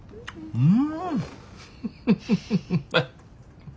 うん。